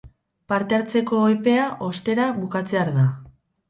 Parte hartzeko epea, ostera, bukatzear da.